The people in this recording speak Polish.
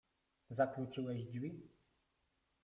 Zakluczyłeś drzwi?